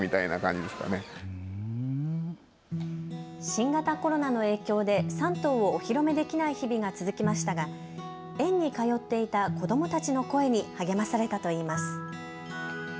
新型コロナの影響で３頭をお披露目できない日々が続きましたが園に通っていた子どもたちの声に励まされたといいます。